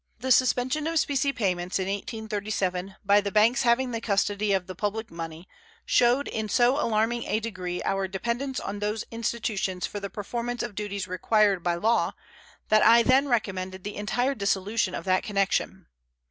The suspension of specie payments in 1837 by the banks having the custody of the public money showed in so alarming a degree our dependence on those institutions for the performance of duties required by law that I then recommended the entire dissolution of that connection.